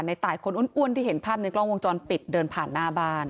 ในตายคนอ้วนที่เห็นภาพในกล้องวงจรปิดเดินผ่านหน้าบ้าน